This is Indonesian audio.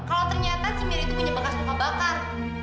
kalau ternyata si mira itu punya bekas luka bakar